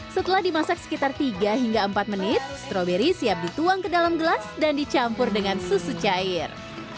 setelah dimasak sekitar tiga hingga empat menit stroberi siap dituang ke dalam gelas dan dicampur dengan susu cair